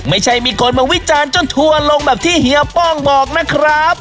ไม่ใช่มีคนมาวิจารณ์จนทัวร์ลงแบบที่เฮียป้องบอกนะครับ